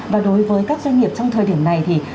và đối với các doanh nghiệp trong thời điểm này thì